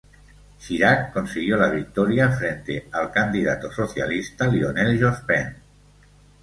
Chirac consiguió la victoria frente al candidato socialista Lionel Jospin.